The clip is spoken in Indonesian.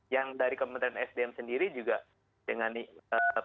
yang dari kementerian sdm sendiri juga dengan penuh keyakinan mengatakan bahwa ini tidak